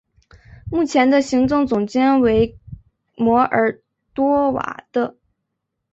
目前的行政总监为摩尔多瓦的。